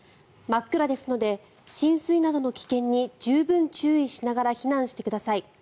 真っ暗ですので浸水などの危険に十分注意しながら避難してください。